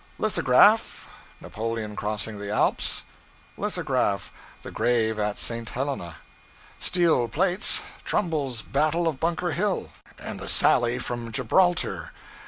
Lithograph, Napoleon Crossing the Alps. Lithograph, The Grave at St. Helena. Steel plates, Trumbull's Battle of Bunker Hill, and the Sally from Gibraltar.